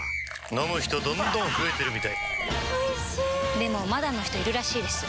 飲む人どんどん増えてるみたいおいしでもまだの人いるらしいですよ